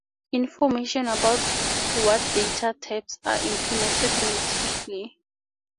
Information about what data types are implemented natively.